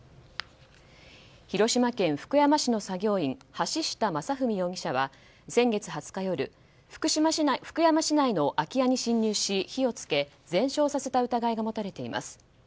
広島県福山市の作業員橋下政史容疑者は先月２０夜福山市内の空き家に侵入し火を付け、全焼させた疑いが持たれています。